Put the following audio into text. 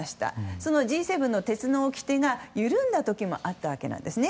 そのＧ７の鉄のおきてが緩んだ時もあったんですね。